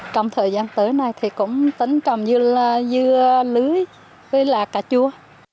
trong thời gian tới nay thì cũng tấn trồng dưa lưới với là cà chua